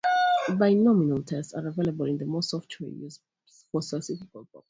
Binomial tests are available in most software used for statistical purposes.